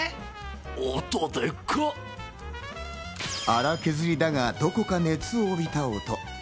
粗削りだが、どこか熱を帯びた音。